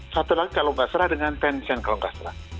satu lagi kalau nggak salah dengan tencent kalau nggak salah